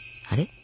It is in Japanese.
あれ？